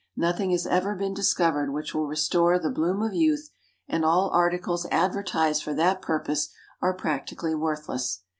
Nothing has ever been discovered which will restore the bloom of youth, and all articles advertised for that purpose are practically worthless.